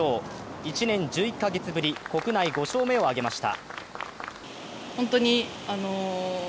１年１１カ月ぶり、国内５勝目を挙げました。